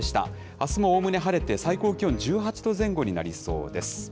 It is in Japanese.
あすもおおむね晴れて、最高気温１８度前後になりそうです。